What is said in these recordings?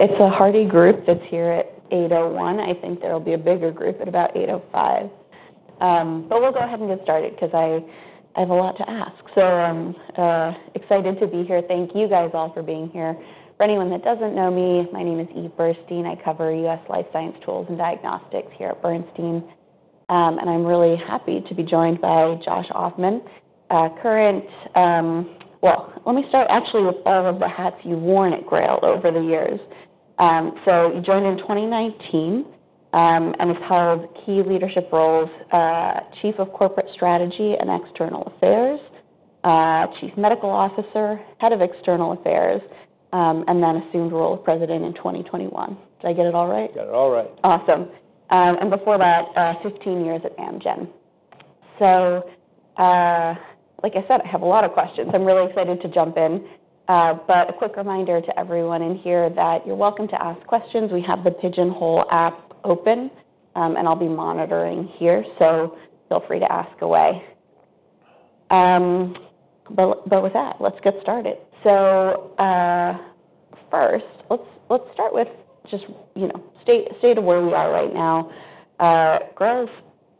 It's a hardy group that's here at 8:01 A.M. I think there'll be a bigger group at about 8:05 A.M., but we'll go ahead and get started because I have a lot to ask. Excited to be here. Thank you guys all for being here. For anyone that doesn't know me, my name is Eve Bernstein. I cover U.S. life science tools and diagnostics here at Bernstein, and I'm really happy to be joined by Dr. Joshua Ofman, current—let me start actually with all of the hats you've worn at GRAIL over the years. You joined in 2019, and have held key leadership roles: Chief of Corporate Strategy and External Affairs, Chief Medical Officer, Head of External Affairs, and then assumed the role of President in 2021. Did I get it all right? Got it all right. Awesome. And before that, 15 years at Amgen. Like I said, I have a lot of questions. I'm really excited to jump in. A quick reminder to everyone in here that you're welcome to ask questions. We have the Pigeonhole app open, and I'll be monitoring here. Feel free to ask away. With that, let's get started. First, let's start with just, you know, state of where we are right now. Growth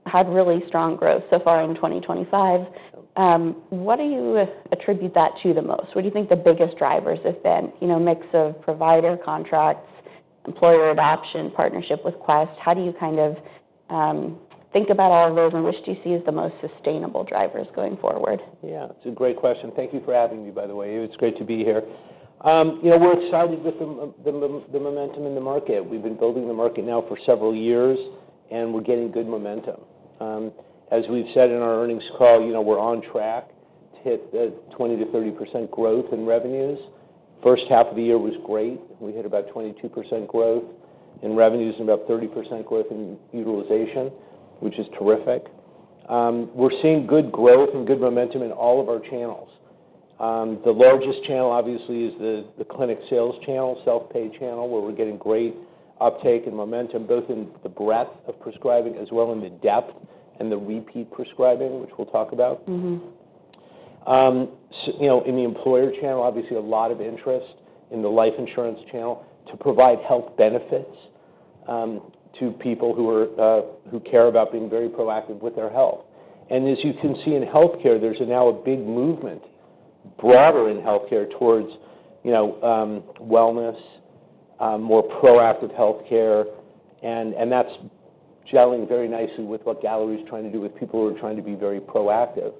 had really strong growth so far in 2025. What do you attribute that to the most? What do you think the biggest drivers have been, you know, a mix of provider contracts, employer adoption, partnership with Quest? How do you kind of think about all of those and which do you see as the most sustainable drivers going forward? Yeah, it's a great question. Thank you for having me, by the way. It's great to be here. We're excited with the momentum in the market. We've been building the market now for several years, and we're getting good momentum. As we've said in our earnings call, we're on track to hit 20% to 30% growth in revenues. First half of the year was great. We hit about 22% growth in revenues and about 30% growth in utilization, which is terrific. We're seeing good growth and good momentum in all of our channels. The largest channel obviously is the clinic sales channel, self-pay channel, where we're getting great uptake and momentum both in the breadth of prescribing as well as in the depth and the repeat prescribing, which we'll talk about. Mm-hmm. You know, in the employer channel, obviously a lot of interest in the life insurance channel to provide health benefits to people who care about being very proactive with their health. As you can see in healthcare, there's now a big movement broader in healthcare towards wellness, more proactive healthcare. That's gelling very nicely with what Galleri is trying to do with people who are trying to be very proactive.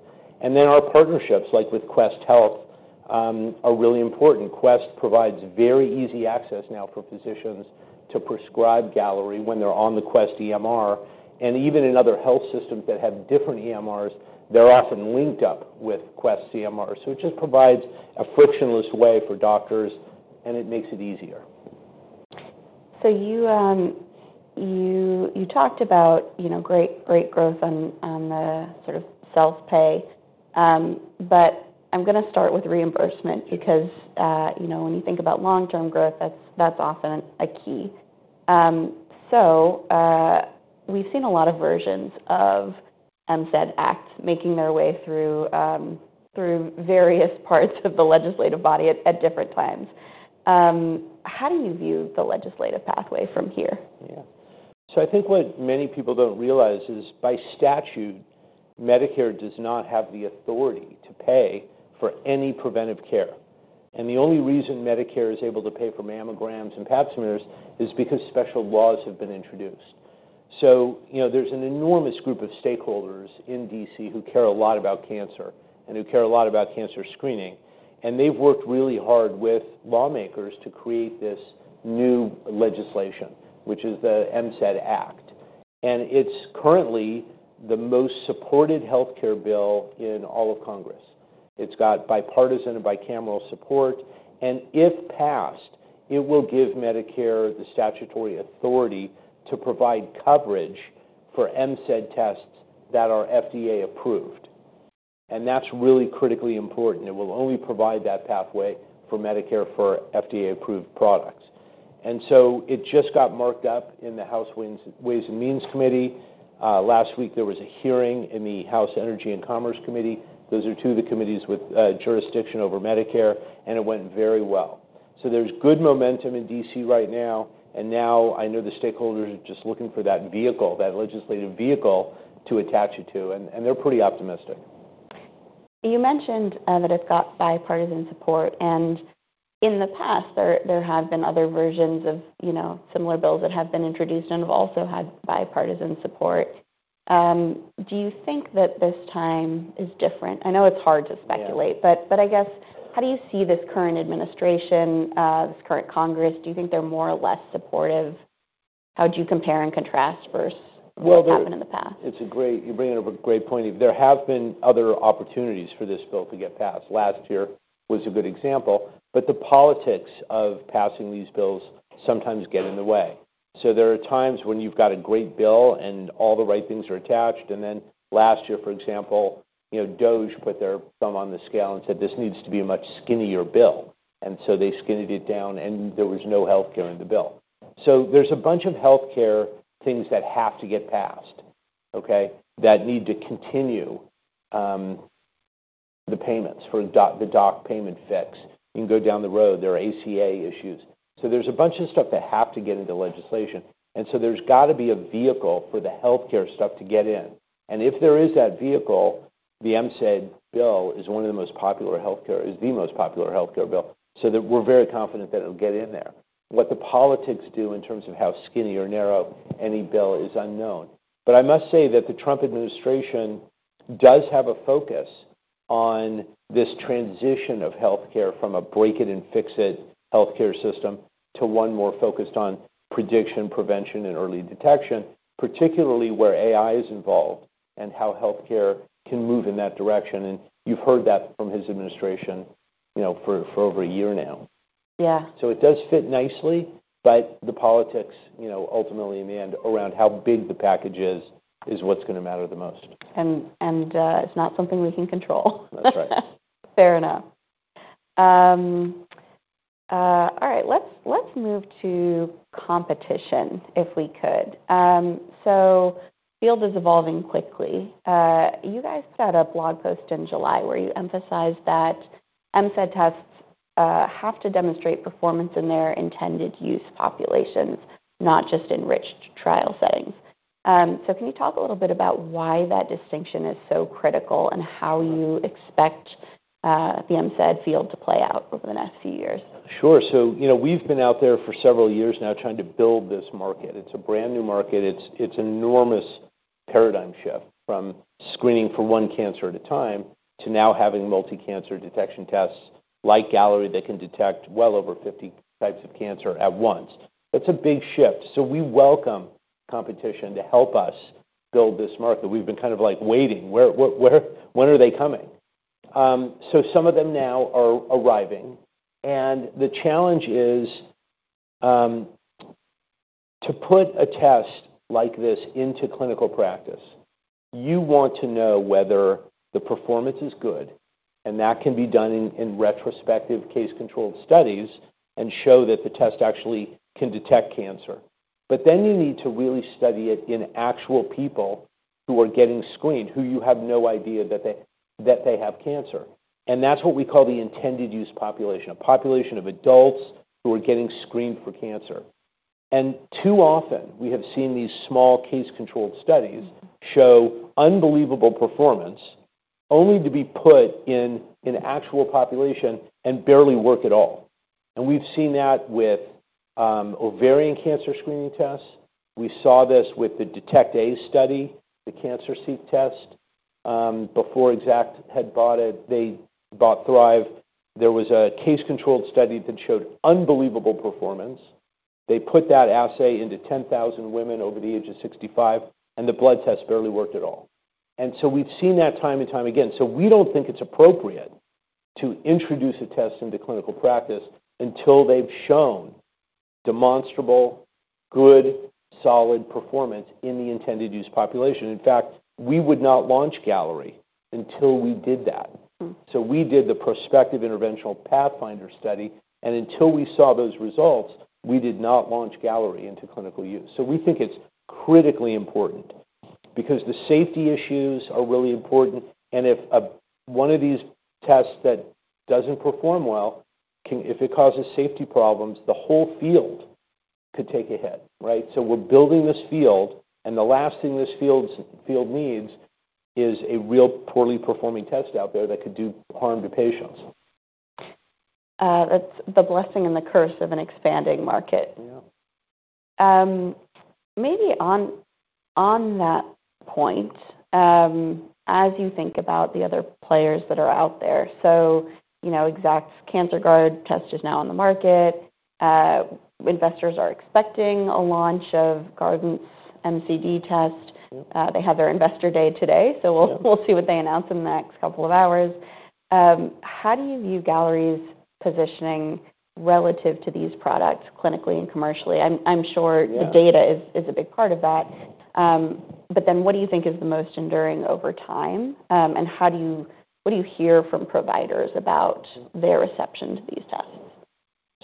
Our partnerships, like with Quest Diagnostics, are really important. Quest provides very easy access now for physicians to prescribe Galleri when they're on the Quest EMR. Even in other health systems that have different EMRs, they're often linked up with Quest EMR. It just provides a frictionless way for doctors, and it makes it easier. You talked about great growth on the sort of self-pay, but I'm going to start with reimbursement because, you know, when you think about long-term growth, that's often a key. We've seen a lot of versions of the Medicare Multi-Cancer Early Detection (MCED) Act making their way through various parts of the legislative body at different times. How do you view the legislative pathway from here? Yeah. I think what many people don't realize is by statute, Medicare does not have the authority to pay for any preventive care. The only reason Medicare is able to pay for mammograms and Pap smears is because special laws have been introduced. There's an enormous group of stakeholders in DC who care a lot about cancer and who care a lot about cancer screening. They've worked really hard with lawmakers to create this new legislation, which is the Medicare Multi-Cancer Early Detection (MCED) Act. It's currently the most supported healthcare bill in all of Congress. It's got bipartisan and bicameral support. If passed, it will give Medicare the statutory authority to provide coverage for MCED tests that are FDA-approved. That's really critically important. It will only provide that pathway for Medicare for FDA-approved products. It just got marked up in the House Ways and Means Committee. Last week there was a hearing in the House Energy and Commerce Committee. Those are two of the committees with jurisdiction over Medicare, and it went very well. There's good momentum in DC right now. I know the stakeholders are just looking for that vehicle, that legislative vehicle to attach it to. They're pretty optimistic. You mentioned that it's got bipartisan support. In the past, there have been other versions of similar bills that have been introduced and have also had bipartisan support. Do you think that this time is different? I know it's hard to speculate, but I guess how do you see this current administration, this current Congress? Do you think they're more or less supportive? How do you compare and contrast versus what's happened in the past? You bring up a great point. There have been other opportunities for this bill to get passed. Last year was a good example, but the politics of passing these bills sometimes get in the way. There are times when you've got a great bill and all the right things are attached. Last year, for example, you know, they put their thumb on the scale and said, "This needs to be a much skinnier bill." They skinnied it down and there was no healthcare in the bill. There are a bunch of healthcare things that have to get passed that need to continue, the payments for the doc payment fix. You can go down the road, there are ACA issues. There is a bunch of stuff that has to get into legislation. There has to be a vehicle for the healthcare stuff to get in. If there is that vehicle, the MCED bill is the most popular healthcare bill. We are very confident that it'll get in there. What the politics do in terms of how skinny or narrow any bill is unknown. I must say that the Trump administration does have a focus on this transition of healthcare from a break it and fix it healthcare system to one more focused on prediction, prevention, and early detection, particularly where AI is involved and how healthcare can move in that direction. You've heard that from his administration for over a year now. Yeah. It does fit nicely, but the politics, you know, ultimately in the end around how big the package is, is what's going to matter the most. It's not something we can control. That's right. Fair enough. All right. Let's move to competition if we could. The field is evolving quickly. You guys had a blog post in July where you emphasized that MCED tests have to demonstrate performance in their intended-use populations, not just enriched trial settings. Can you talk a little bit about why that distinction is so critical and how you expect the MCED field to play out over the next few years? Sure. We've been out there for several years now trying to build this market. It's a brand new market. It's an enormous paradigm shift from screening for one cancer at a time to now having multi-cancer early detection tests like Galleri that can detect well over 50 types of cancer at once. That's a big shift. We welcome competition to help us build this market. We've been kind of like waiting. Where, where, when are they coming? Some of them now are arriving. The challenge is, to put a test like this into clinical practice, you want to know whether the performance is good. That can be done in retrospective case-controlled studies and show that the test actually can detect cancer. Then you need to really study it in actual people who are getting screened, who you have no idea that they have cancer. That's what we call the intended-use population, a population of adults who are getting screened for cancer. Too often we have seen these small case-controlled studies show unbelievable performance only to be put in an actual population and barely work at all. We've seen that with ovarian cancer screening tests. We saw this with the DETECT-A study, the CancerSEEK test. Before Exact Sciences had bought it, they bought Thrive. There was a case-controlled study that showed unbelievable performance. They put that assay into 10,000 women over the age of 65, and the blood test barely worked at all. We've seen that time and time again. We don't think it's appropriate to introduce a test into clinical practice until they've shown demonstrable, good, solid performance in the intended-use population. In fact, we would not launch Galleri until we did that. We did the prospective interventional Pathfinder study, and until we saw those results, we did not launch Galleri into clinical use. We think it's critically important because the safety issues are really important. If one of these tests that doesn't perform well causes safety problems, the whole field could take a hit, right? We're building this field, and the last thing this field needs is a real poorly performing test out there that could do harm to patients. That's the blessing and the curse of an expanding market. Maybe on that point, as you think about the other players that are out there, you know, Exact Sciences' CancerGuard test is now on the market. Investors are expecting a launch of Guardant Health's MCED test. They have their investor day today, so we'll see what they announce in the next couple of hours. How do you view Galleri's positioning relative to these products clinically and commercially? I'm sure the data is a big part of that. What do you think is the most enduring over time? How do you, what do you hear from providers about their reception to these tests?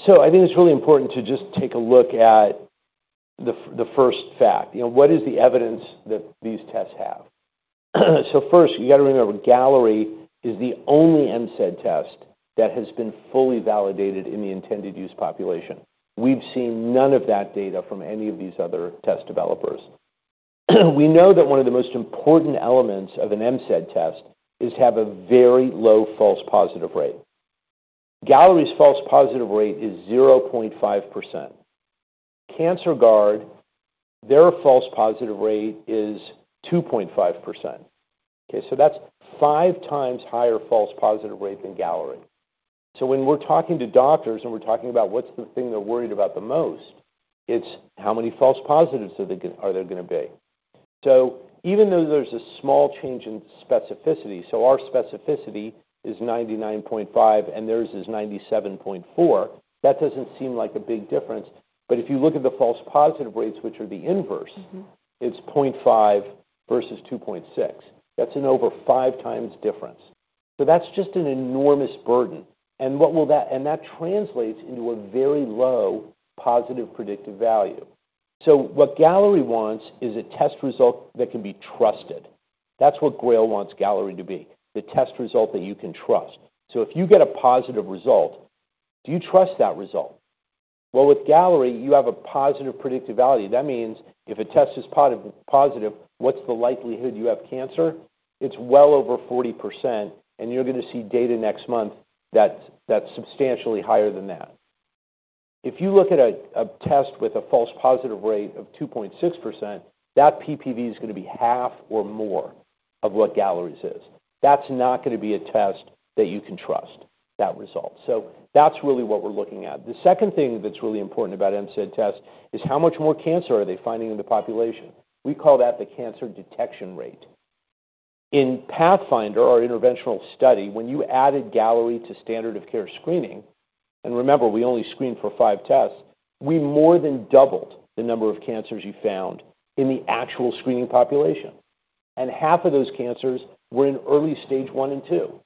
I think it's really important to just take a look at the first fact. You know, what is the evidence that these tests have? First, you got to remember Galleri is the only MCED test that has been fully validated in the intended-use population. We've seen none of that data from any of these other test developers. We know that one of the most important elements of an MCED test is to have a very low false positive rate. Galleri's false positive rate is 0.5%. CancerGuard, their false positive rate is 2.5%. That's five times higher false positive rate than Galleri. When we're talking to doctors and we're talking about what's the thing they're worried about the most, it's how many false positives are there going to be? Even though there's a small change in specificity, our specificity is 99.5% and theirs is 97.4%. That doesn't seem like a big difference. If you look at the false positive rates, which are the inverse, it's 0.5% versus 2.6%. That's an over five times difference. That's just an enormous burden. That translates into a very low positive predictive value. What Galleri wants is a test result that can be trusted. That's what GRAIL wants Galleri to be, the test result that you can trust. If you get a positive result, do you trust that result? With Galleri, you have a positive predictive value. That means if a test is positive, what's the likelihood you have cancer? It's well over 40%. You're going to see data next month that's substantially higher than that. If you look at a test with a false positive rate of 2.6%, that PPV is going to be half or more of what Galleri's is. That's not going to be a test that you can trust, that result. That's really what we're looking at. The second thing that's really important about MCED tests is how much more cancer are they finding in the population. We call that the cancer detection rate. In Pathfinder, our interventional study, when you added Galleri to standard of care screening, and remember we only screened for five tests, we more than doubled the number of cancers you found in the actual screening population. Half of those cancers were in early stage one and two.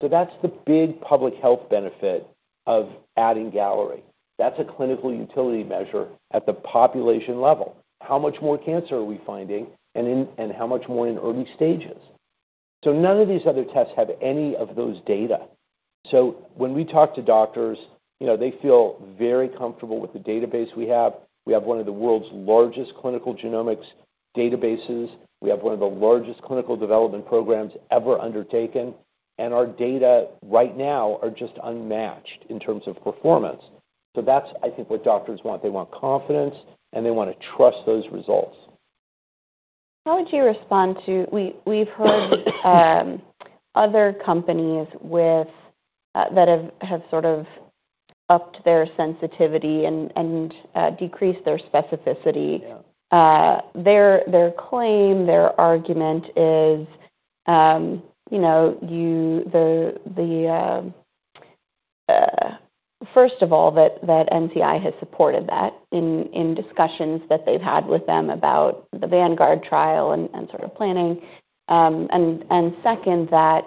That's the big public health benefit of adding Galleri. That's a clinical utility measure at the population level. How much more cancer are we finding? How much more in early stages? None of these other tests have any of those data. When we talk to doctors, you know, they feel very comfortable with the database we have. We have one of the world's largest clinical genomics databases. We have one of the largest clinical development programs ever undertaken, and our data right now are just unmatched in terms of performance. I think that's what doctors want. They want confidence, and they want to trust those results. How would you respond to, we've heard other companies that have sort of upped their sensitivity and decreased their specificity? Their claim, their argument is, you know, first of all, that NCI has supported that in discussions that they've had with them about the Vanguard trial and sort of planning. Second, that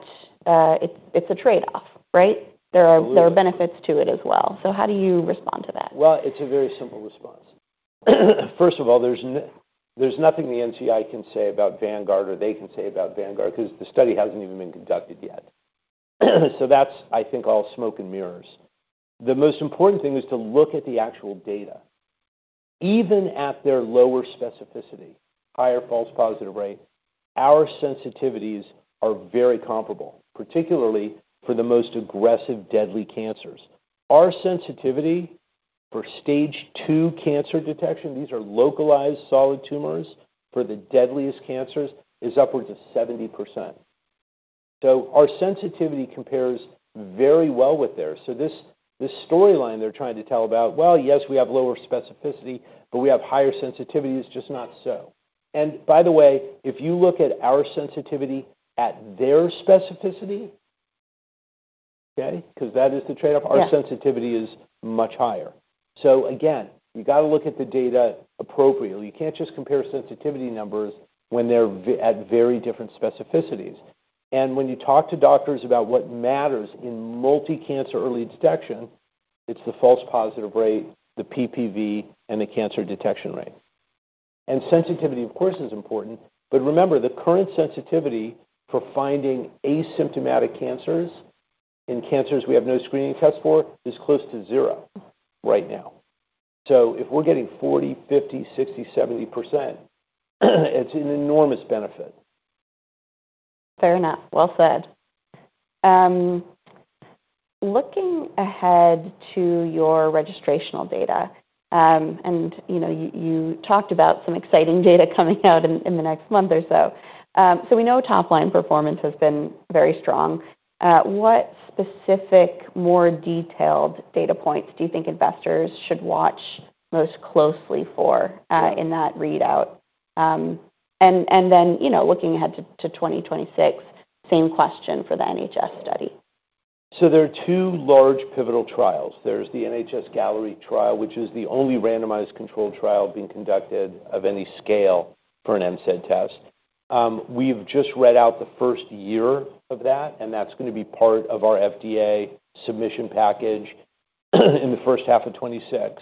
it's a trade-off, right? There are benefits to it as well. How do you respond to that? It's a very simple response. First of all, there's nothing the NCI can say about Vanguard because the study hasn't even been conducted yet. That's, I think, all smoke and mirrors. The most important thing is to look at the actual data. Even at their lower specificity, higher false positive rate, our sensitivities are very comparable, particularly for the most aggressive, deadly cancers. Our sensitivity for stage two cancer detection, these are localized solid tumors, for the deadliest cancers is upwards of 70%. Our sensitivity compares very well with theirs. This storyline they're trying to tell about, yes, we have lower specificity, but we have higher sensitivities, is just not so. By the way, if you look at our sensitivity at their specificity, because that is the trade-off, our sensitivity is much higher. You have to look at the data appropriately. You can't just compare sensitivity numbers when they're at very different specificities. When you talk to doctors about what matters in multi-cancer early detection, it's the false positive rate, the PPV, and the cancer detection rate. Sensitivity, of course, is important, but remember the current sensitivity for finding asymptomatic cancers in cancers we have no screening tests for is close to zero right now. If we're getting 40%, 50%, 60%, 70%, it's an enormous benefit. Fair enough. Looking ahead to your registrational data, and you talked about some exciting data coming out in the next month or so. We know top-line performance has been very strong. What specific, more detailed data points do you think investors should watch most closely for in that readout? Looking ahead to 2026, same question for the NHS-Galleri trial. There are two large pivotal trials. There's the NHS-Galleri trial, which is the only randomized controlled trial being conducted of any scale for an MCED test. We've just read out the first year of that, and that's going to be part of our FDA submission package in the first half of 2026.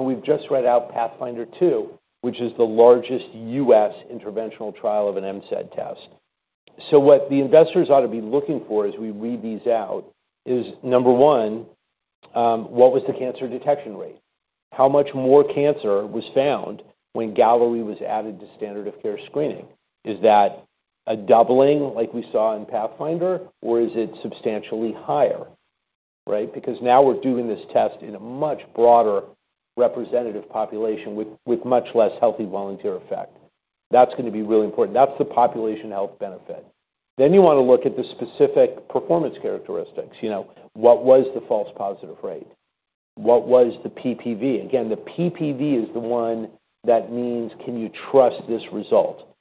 We've just read out Pathfinder II, which is the largest U.S. interventional trial of an MCED test. What the investors ought to be looking for as we read these out is, number one, what was the cancer detection rate? How much more cancer was found when Galleri was added to standard of care screening? Is that a doubling like we saw in Pathfinder, or is it substantially higher? Because now we're doing this test in a much broader representative population with much less healthy volunteer effect. That's going to be really important. That's the population health benefit. Then you want to look at the specific performance characteristics. What was the false positive rate? What was the PPV? Again, the PPV is the one that means, can you trust this result?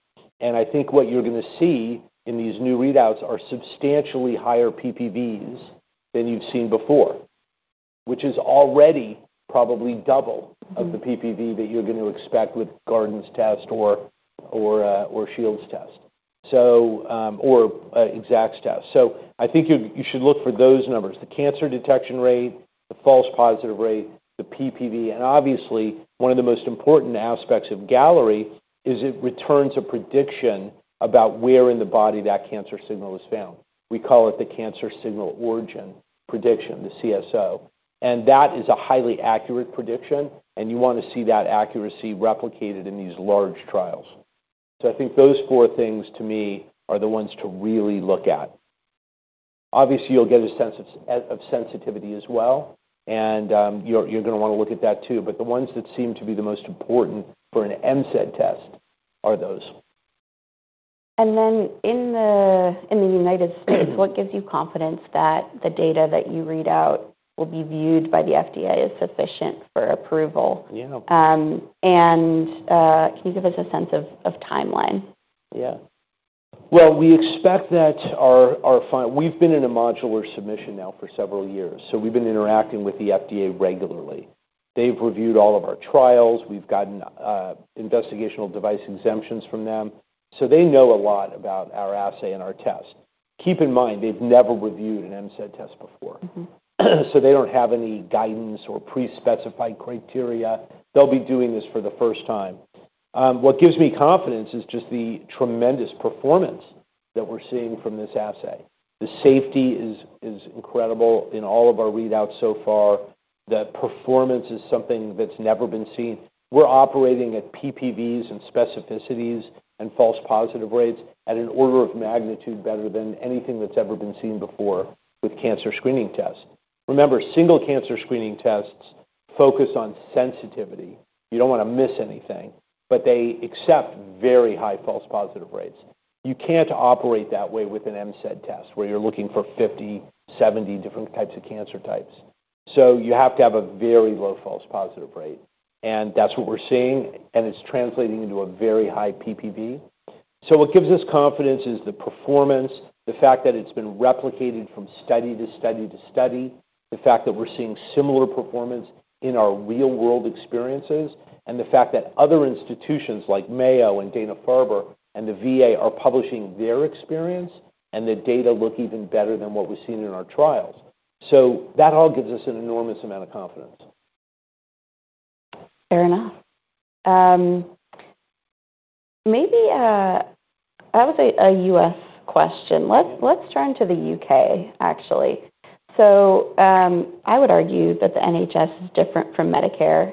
I think what you're going to see in these new readouts are substantially higher PPVs than you've seen before, which is already probably double the PPV that you're going to expect with Guardant's test or Exact's test. I think you should look for those numbers: the cancer detection rate, the false positive rate, the PPV. Obviously, one of the most important aspects of Galleri is it returns a prediction about where in the body that cancer signal is found. We call it the cancer signal origin prediction, the CSO. That is a highly accurate prediction, and you want to see that accuracy replicated in these large trials. I think those four things to me are the ones to really look at. Obviously, you'll get a sense of sensitivity as well, and you're going to want to look at that too. The ones that seem to be the most important for an MCED test are those. In the United States, what gives you confidence that the data that you read out will be viewed by the FDA as sufficient for approval? Can you give us a sense of timeline? Yeah. We expect that our fund, we've been in a modular submission now for several years. We've been interacting with the FDA regularly. They've reviewed all of our trials. We've gotten investigational device exemptions from them. They know a lot about our assay and our test. Keep in mind, they've never reviewed an MCED test before. They don't have any guidance or pre-specified criteria. They'll be doing this for the first time. What gives me confidence is just the tremendous performance that we're seeing from this assay. The safety is incredible in all of our readouts so far. The performance is something that's never been seen. We're operating at PPVs and specificities and false positive rates at an order of magnitude better than anything that's ever been seen before with cancer screening tests. Remember, single-cancer screening tests focus on sensitivity. You don't want to miss anything, but they accept very high false positive rates. You can't operate that way with an MCED test where you're looking for 50, 70 different types of cancer types. You have to have a very low false positive rate. That's what we're seeing, and it's translating into a very high PPV. What gives us confidence is the performance, the fact that it's been replicated from study to study to study, the fact that we're seeing similar performance in our real-world experiences, and the fact that other institutions like Mayo and Dana-Farber and the VA are publishing their experience and the data look even better than what we're seeing in our trials. That all gives us an enormous amount of confidence. Fair enough. Maybe that was a U.S. question. Let's turn to the UK, actually. I would argue that the NHS is different from Medicare,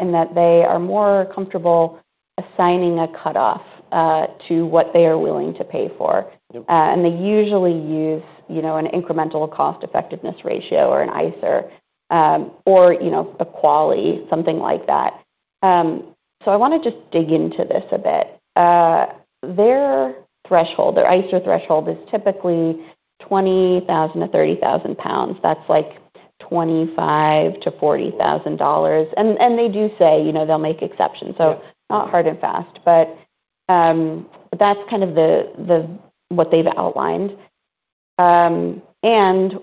in that they are more comfortable assigning a cutoff to what they are willing to pay for, and they usually use, you know, an incremental cost-effectiveness ratio or an ISR, or, you know, a QALY, something like that. I want to just dig into this a bit. Their threshold, their ISR threshold is typically £20,000 to £30,000. That's like $25,000 to $40,000. They do say, you know, they'll make exceptions. Not hard and fast, but that's kind of what they've outlined.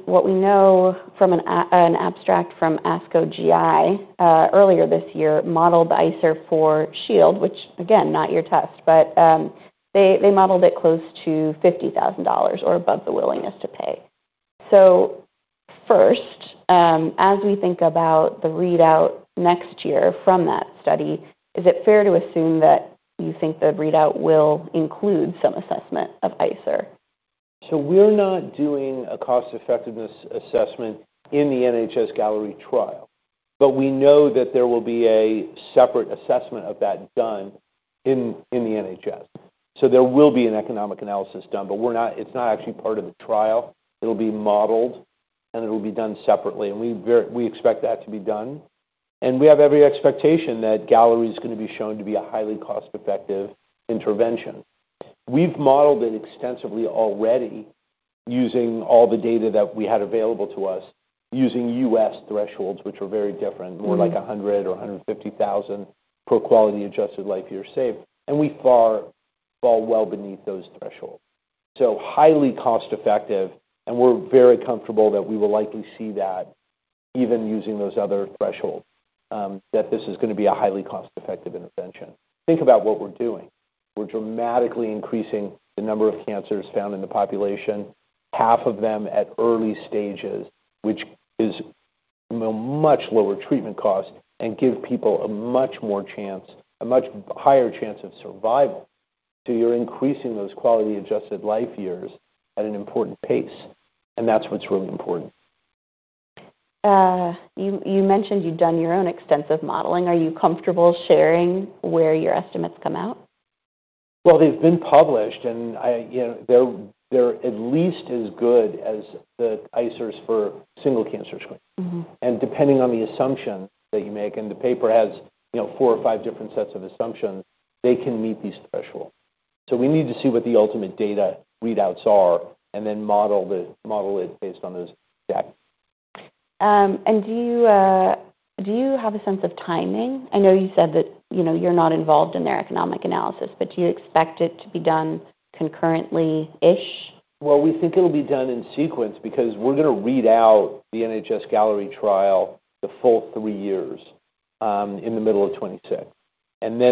What we know from an abstract from ASCO GI earlier this year modeled the ISR for Shield, which again, not your test, but they modeled it close to $50,000 or above the willingness to pay. First, as we think about the readout next year from that study, is it fair to assume that you think the readout will include some assessment of ISR? We're not doing a cost-effectiveness assessment in the NHS-Galleri trial, but we know that there will be a separate assessment of that done in the NHS. There will be an economic analysis done, but it's not actually part of the trial. It'll be modeled, and it'll be done separately. We expect that to be done. We have every expectation that Galleri is going to be shown to be a highly cost-effective intervention. We've modeled it extensively already using all the data that we had available to us, using U.S. thresholds, which are very different, more like $100,000 or $150,000 per quality-adjusted life year saved. We fall well beneath those thresholds. Highly cost-effective, and we're very comfortable that we will likely see that even using those other thresholds, that this is going to be a highly cost-effective intervention. Think about what we're doing. We're dramatically increasing the number of cancers found in the population, half of them at early stages, which is a much lower treatment cost and gives people a much higher chance of survival. You're increasing those quality-adjusted life years at an important pace. That's what's really important. You mentioned you'd done your own extensive modeling. Are you comfortable sharing where your estimates come out? They've been published, and they're at least as good as the ISRs for single-cancer screening. Depending on the assumption that you make, and the paper has four or five different sets of assumptions, they can meet these thresholds. We need to see what the ultimate data readouts are and then model it based on those stats. Do you have a sense of timing? I know you said that you're not involved in their economic analysis, but do you expect it to be done concurrently-ish? We think it'll be done in sequence because we're going to read out the NHS-Galleri trial, the full three years, in the middle of 2026.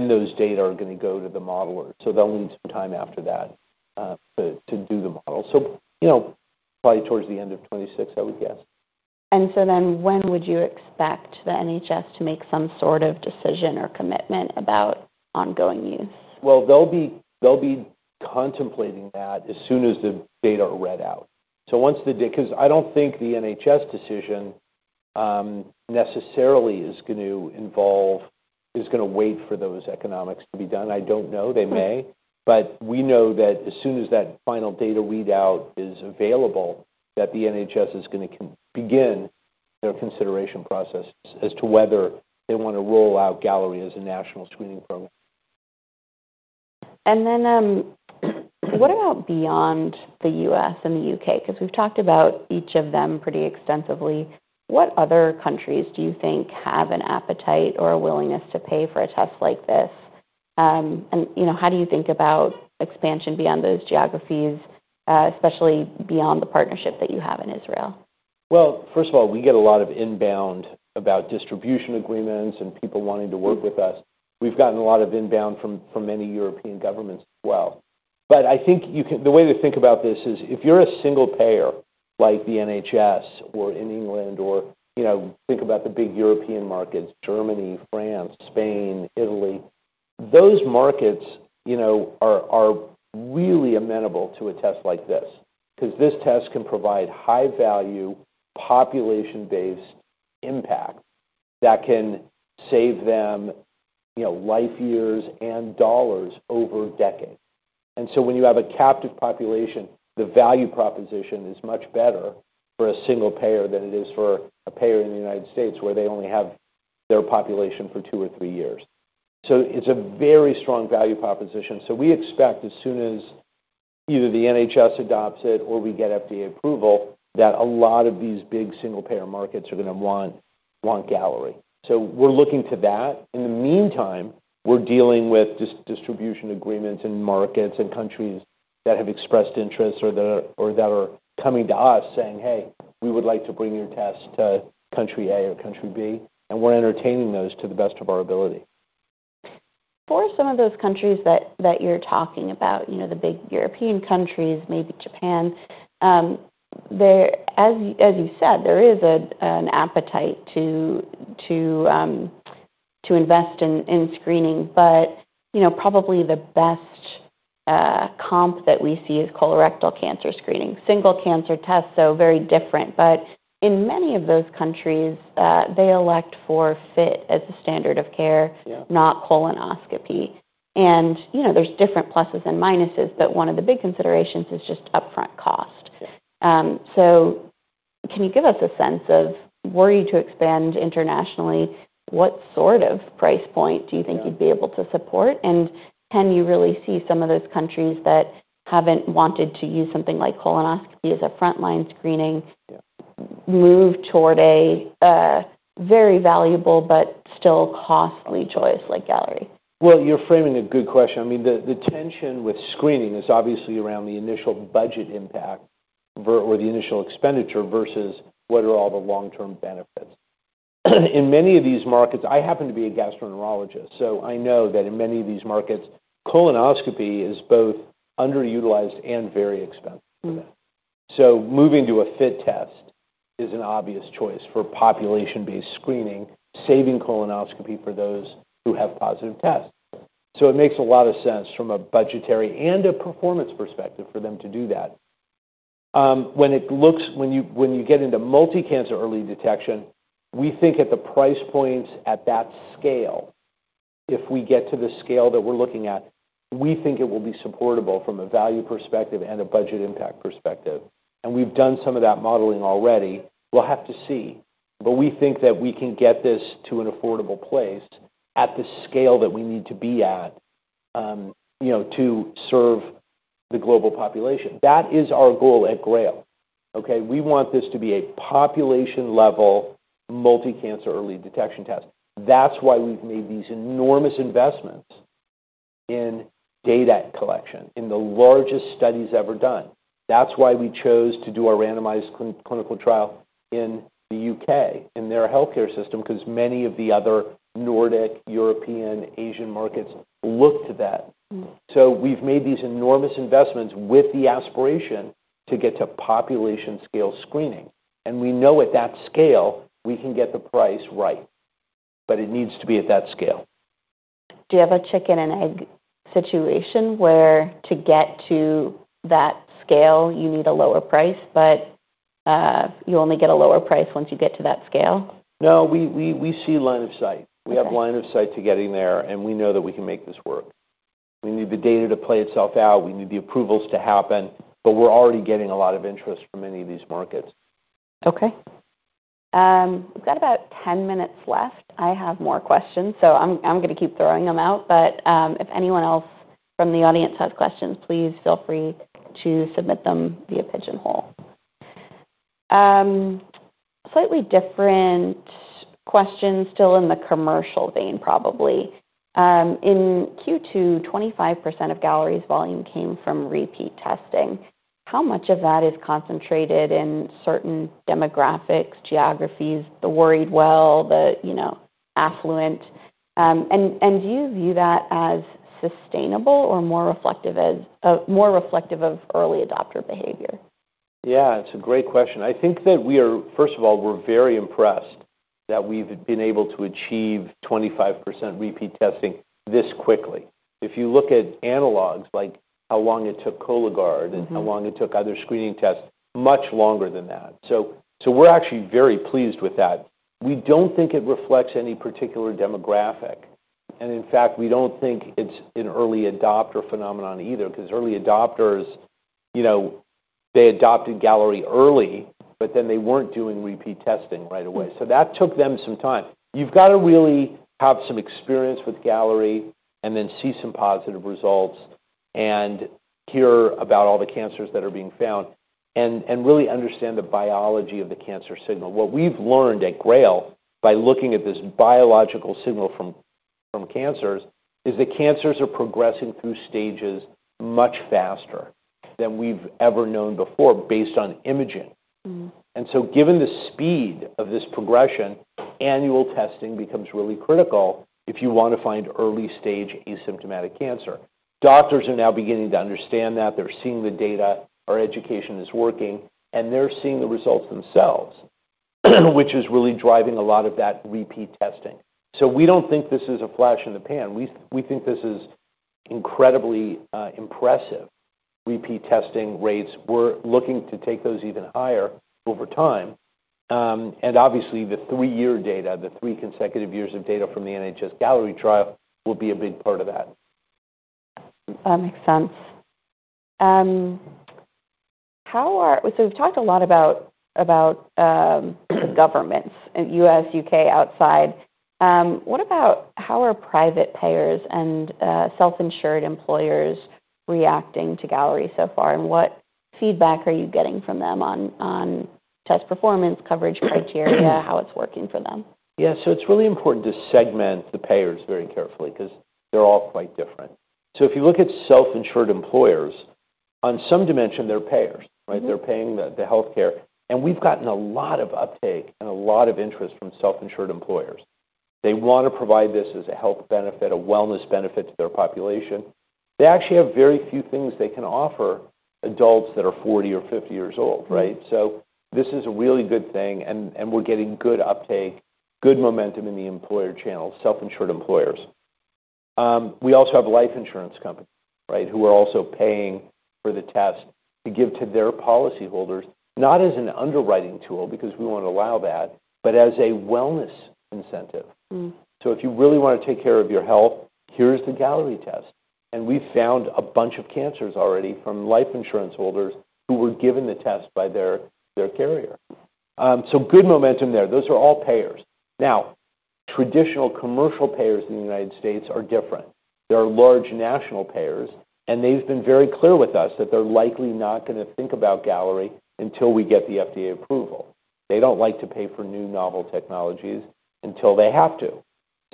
Those data are going to go to the modeler. They'll need some time after that to do the model, probably towards the end of 2026, I would guess. When would you expect the NHS to make some sort of decision or commitment about ongoing use? They'll be contemplating that as soon as the data are read out. Once the data, because I don't think the NHS decision necessarily is going to wait for those economics to be done. I don't know, they may. We know that as soon as that final data readout is available, the NHS is going to begin their consideration process as to whether they want to roll out Galleri as a national screening program. What about beyond the U.S. and the U.K.? We've talked about each of them pretty extensively. What other countries do you think have an appetite or a willingness to pay for a test like this, and how do you think about expansion beyond those geographies, especially beyond the partnership that you have in Israel? First of all, we get a lot of inbound about distribution agreements and people wanting to work with us. We've gotten a lot of inbound from many European governments as well. I think you can, the way to think about this is if you're a single payer like the NHS in England, or, you know, think about the big European markets, Germany, France, Spain, Italy, those markets are really amenable to a test like this. This test can provide high-value population-based impact that can save them, you know, life years and dollars over decades. When you have a captive population, the value proposition is much better for a single payer than it is for a payer in the U.S. where they only have their population for two or three years. It's a very strong value proposition. We expect as soon as either the NHS adopts it or we get FDA approval, a lot of these big single-payer markets are going to want Galleri. We're looking to that. In the meantime, we're dealing with just distribution agreements in markets and countries that have expressed interest or that are coming to us saying, "Hey, we would like to bring your test to country A or country B." We're entertaining those to the best of our ability. For some of those countries that you're talking about, you know, the big European countries, maybe Japan, as you said, there is an appetite to invest in screening. Probably the best comp that we see is colorectal cancer screening. Single-cancer tests, so very different. In many of those countries, they elect for FIT as a standard of care, not colonoscopy. There are different pluses and minuses, but one of the big considerations is just upfront cost. Can you give us a sense of, were you to expand internationally, what sort of price point do you think you'd be able to support? Can you really see some of those countries that haven't wanted to use something like colonoscopy as a frontline screening move toward a very valuable but still costly choice like Galleri? You're framing a good question. The tension with screening is obviously around the initial budget impact or the initial expenditure versus what are all the long-term benefits. In many of these markets, I happen to be a gastroenterologist, so I know that in many of these markets, colonoscopy is both underutilized and very expensive. Moving to a FIT test is an obvious choice for population-based screening, saving colonoscopy for those who have positive tests. It makes a lot of sense from a budgetary and a performance perspective for them to do that. When you get into multi-cancer early detection, we think at the price points at that scale, if we get to the scale that we're looking at, we think it will be supportable from a value perspective and a budget impact perspective. We've done some of that modeling already. We'll have to see. We think that we can get this to an affordable place at the scale that we need to be at, you know, to serve the global population. That is our goal at GRAIL. We want this to be a population-level multi-cancer early detection test. That's why we've made these enormous investments in data collection in the largest studies ever done. That's why we chose to do our randomized clinical trial in the UK in their healthcare system because many of the other Nordic, European, Asian markets look to that. We've made these enormous investments with the aspiration to get to population-scale screening. We know at that scale, we can get the price right. It needs to be at that scale. Do you have a chicken-and-egg situation where, to get to that scale, you need a lower price, but you only get a lower price once you get to that scale? No, we see line of sight. We have line of sight to getting there, and we know that we can make this work. We need the data to play itself out. We need the approvals to happen. We're already getting a lot of interest from many of these markets. Okay. We've got about 10 minutes left. I have more questions, so I'm going to keep throwing them out. If anyone else from the audience has questions, please feel free to submit them via Pigeonhole. Slightly different question, still in the commercial vein, probably. In Q2, 25% of Galleri's volume came from repeat testing. How much of that is concentrated in certain demographics, geographies, the worried well, the, you know, affluent? Do you view that as sustainable or more reflective of early adopter behavior? Yeah, it's a great question. I think that we are, first of all, we're very impressed that we've been able to achieve 25% repeat testing this quickly. If you look at analogs, like how long it took Cologuard and how long it took other screening tests, much longer than that. We're actually very pleased with that. We don't think it reflects any particular demographic. In fact, we don't think it's an early adopter phenomenon either because early adopters, you know, they adopted Galleri early, but then they weren't doing repeat testing right away. That took them some time. You've got to really have some experience with Galleri and then see some positive results and hear about all the cancers that are being found and really understand the biology of the cancer signal. What we've learned at GRAIL by looking at this biological signal from cancers is that cancers are progressing through stages much faster than we've ever known before based on imaging. Given the speed of this progression, annual testing becomes really critical if you want to find early-stage asymptomatic cancer. Doctors are now beginning to understand that. They're seeing the data. Our education is working, and they're seeing the results themselves, which is really driving a lot of that repeat testing. We don't think this is a flash in the pan. We think this is incredibly impressive repeat testing rates. We're looking to take those even higher over time. Obviously, the three-year data, the three consecutive years of data from the NHS-Galleri trial will be a big part of that. That makes sense. We've talked a lot about the governments in the U.S., U.K., outside. What about how are private payers and self-insured employers reacting to Galleri so far? What feedback are you getting from them on test performance, coverage criteria, how it's working for them? Yeah, so it's really important to segment the payers very carefully because they're all quite different. If you look at self-insured employers, on some dimension, they're payers, right? They're paying the healthcare. We've gotten a lot of uptake and a lot of interest from self-insured employers. They want to provide this as a health benefit, a wellness benefit to their population. They actually have very few things they can offer adults that are 40 or 50 years old, right? This is a really good thing. We're getting good uptake, good momentum in the employer channel, self-insured employers. We also have life insurance companies, right, who are also paying for the test to give to their policyholders, not as an underwriting tool because we won't allow that, but as a wellness incentive. If you really want to take care of your health, here's the Galleri test. We've found a bunch of cancers already from life insurance holders who were given the test by their carrier. Good momentum there. Those are all payers. Now, traditional commercial payers in the U.S. are different. There are large national payers, and they've been very clear with us that they're likely not going to think about Galleri until we get the FDA approval. They don't like to pay for new novel technologies until they have to.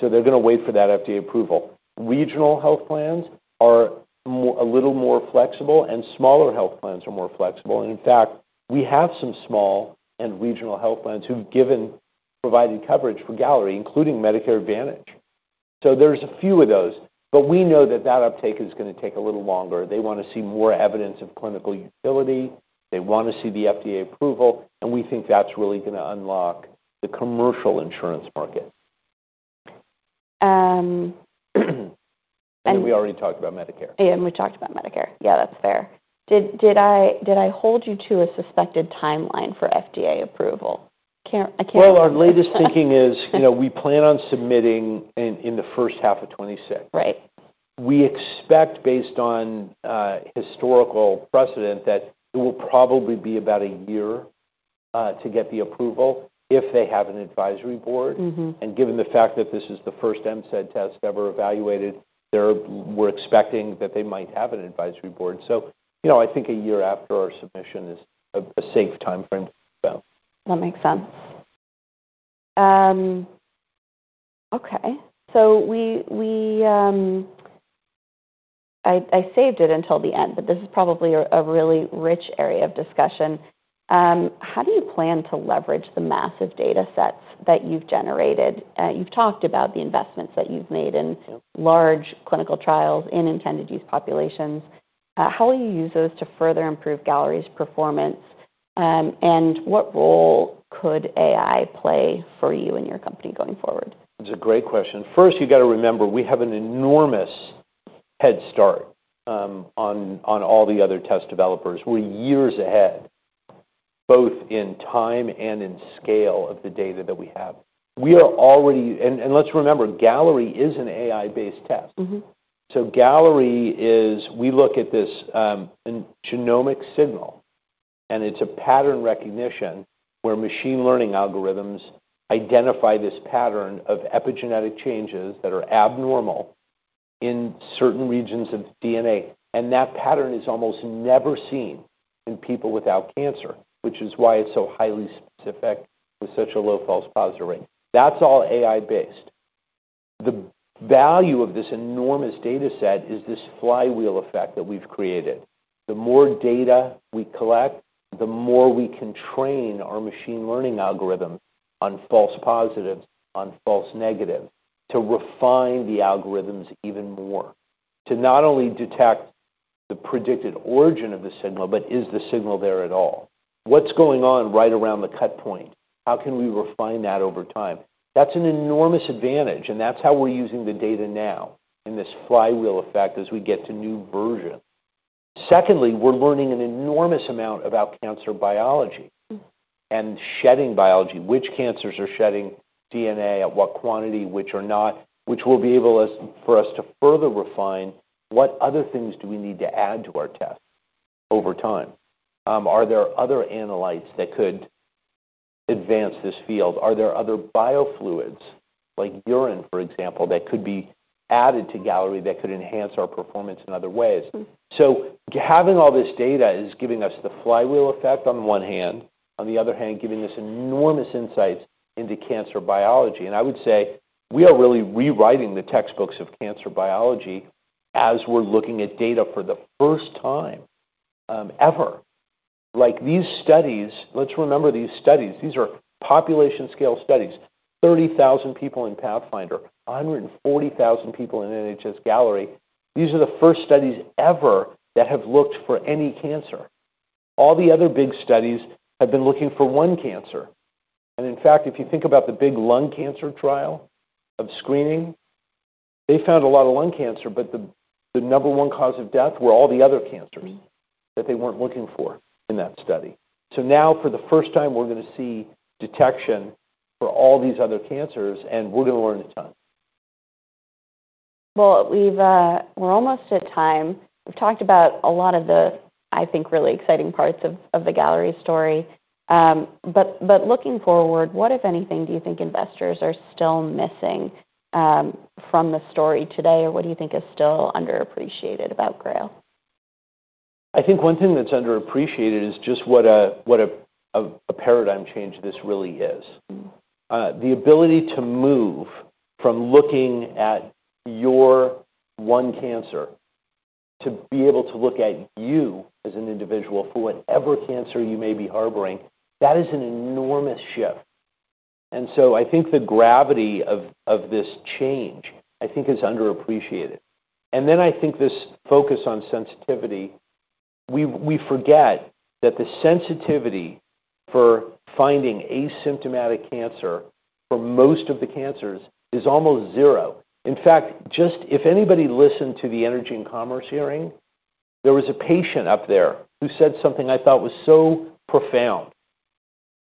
They're going to wait for that FDA approval. Regional health plans are a little more flexible, and smaller health plans are more flexible. In fact, we have some small and regional health plans who've provided coverage for Galleri, including Medicare Advantage. There's a few of those, but we know that uptake is going to take a little longer. They want to see more evidence of clinical utility. They want to see the FDA approval, and we think that's really going to unlock the commercial insurance market. We already talked about Medicare. We talked about Medicare. That's fair. Did I hold you to a suspected timeline for FDA approval? Our latest thinking is, you know, we plan on submitting in the first half of 2026. Right. We expect, based on historical precedent, that it will probably be about a year to get the approval if they have an advisory board. Given the fact that this is the first MCED test ever evaluated, we're expecting that they might have an advisory board. I think a year after our submission is a safe timeframe to expand. That makes sense. Okay. I saved it until the end, but this is probably a really rich area of discussion. How do you plan to leverage the massive data sets that you've generated? You've talked about the investments that you've made in large clinical trials in intended-use populations. How will you use those to further improve Galleri's performance? What role could AI play for you and your company going forward? It's a great question. First, you got to remember we have an enormous head start on all the other test developers. We're years ahead, both in time and in scale of the data that we have. We are already, and let's remember, Galleri is an AI-based test. Galleri is, we look at this genomic signal, and it's a pattern recognition where machine learning algorithms identify this pattern of epigenetic changes that are abnormal in certain regions of DNA. That pattern is almost never seen in people without cancer, which is why it's so highly specific with such a low false positive rate. That's all AI-based. The value of this enormous data set is this flywheel effect that we've created. The more data we collect, the more we can train our machine learning algorithms on false positives, on false negatives, to refine the algorithms even more. To not only detect the predicted origin of the signal, but is the signal there at all? What's going on right around the cut point? How can we refine that over time? That's an enormous advantage, and that's how we're using the data now in this flywheel effect as we get to new versions. Secondly, we're learning an enormous amount about cancer biology and shedding biology, which cancers are shedding DNA at what quantity, which are not, which will be able for us to further refine. What other things do we need to add to our tests over time? Are there other analytes that could advance this field? Are there other biofluids like urine, for example, that could be added to Galleri that could enhance our performance in other ways? Having all this data is giving us the flywheel effect on the one hand, on the other hand, giving us enormous insights into cancer biology. I would say we are really rewriting the textbooks of cancer biology as we're looking at data for the first time, ever. Like these studies, let's remember these studies, these are population-scale studies. 30,000 people in Pathfinder, 140,000 people in NHS-Galleri. These are the first studies ever that have looked for any cancer. All the other big studies have been looking for one cancer. In fact, if you think about the big lung cancer trial of screening, they found a lot of lung cancer, but the number one cause of death were all the other cancers that they weren't looking for in that study. Now, for the first time, we're going to see detection for all these other cancers, and we're going to learn a ton. We're almost at time. We've talked about a lot of the, I think, really exciting parts of the Galleri story, but looking forward, what, if anything, do you think investors are still missing from the story today? Or what do you think is still underappreciated about GRAIL? I think one thing that's underappreciated is just what a paradigm change this really is. The ability to move from looking at your one cancer to be able to look at you as an individual for whatever cancer you may be harboring, that is an enormous shift. I think the gravity of this change is underappreciated. I think this focus on sensitivity, we forget that the sensitivity for finding asymptomatic cancer for most of the cancers is almost zero. In fact, if anybody listened to the Energy and Commerce hearing, there was a patient up there who said something I thought was so profound.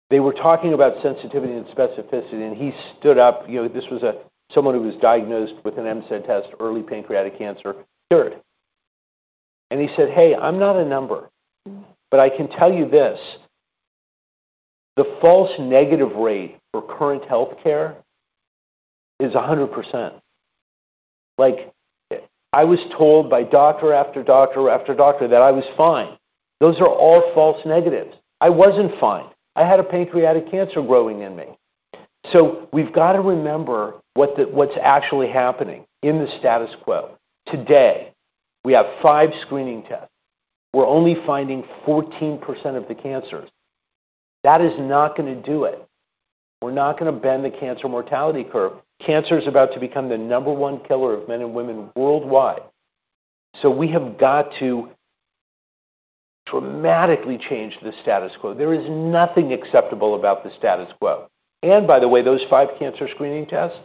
They were talking about sensitivity and specificity, and he stood up, you know, this was someone who was diagnosed with an MCED test, early pancreatic cancer, cured. He said, "Hey, I'm not a number, but I can tell you this. The false negative rate for current healthcare is 100%. Like I was told by doctor after doctor after doctor that I was fine. Those are all false negatives. I wasn't fine. I had a pancreatic cancer growing in me." We have to remember what's actually happening in the status quo. Today, we have five screening tests. We're only finding 14% of the cancers. That is not going to do it. We're not going to bend the cancer mortality curve. Cancer is about to become the number one killer of men and women worldwide. We have to dramatically change the status quo. There is nothing acceptable about the status quo. By the way, those five cancer screening tests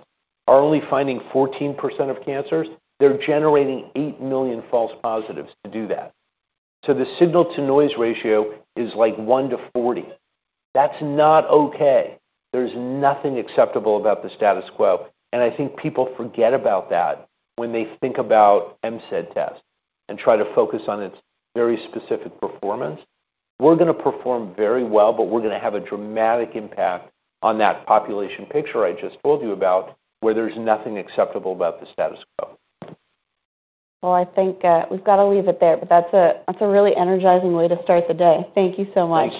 are only finding 14% of cancers. They're generating 8 million false positives to do that. The signal-to-noise ratio is like one to 40. That's not okay. There's nothing acceptable about the status quo. I think people forget about that when they think about MCED tests and try to focus on its very specific performance. We're going to perform very well, but we're going to have a dramatic impact on that population picture I just told you about where there's nothing acceptable about the status quo. I think we've got to leave it there, but that's a really energizing way to start the day. Thank you so much.